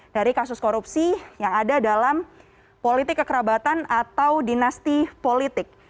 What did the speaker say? dari kasus korupsi yang ada dalam politik kekerabatan atau dinasti politik